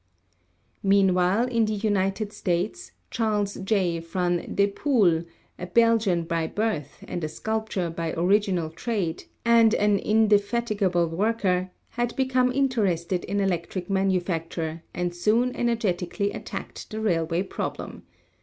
Meanwhile in the United States Charles J. van Depoele, a Belgian by birth and a sculptor by original trade and an indefatigable worker, had become interested in electric manufacture and soon energetically attacked the railway problem.